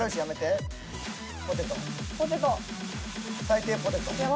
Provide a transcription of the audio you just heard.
最低ポテト。